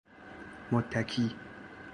متکی